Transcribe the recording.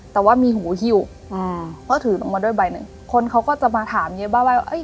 แต่ว่ามีหูหิ้วอืมเพราะถือลงมาด้วยใบหนึ่งคนเขาก็จะมาถามเยอะมากว่าเอ้ย